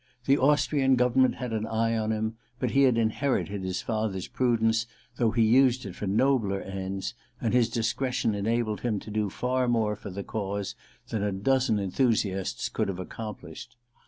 The Austrian government had an eye on him, but he had inherited his father's prudence, though he used it for nobler ends, and his dis cretion enabled him to do far more for the cause than a dozen enthusiasts could have accomplished.